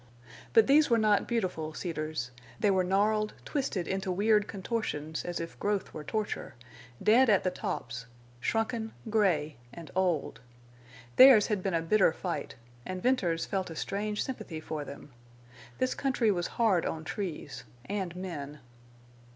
But these were not beautiful cedars. They were gnarled, twisted into weird contortions, as if growth were torture, dead at the tops, shrunken, gray, and old. Theirs had been a bitter fight, and Venters felt a strange sympathy for them. This country was hard on trees—and men.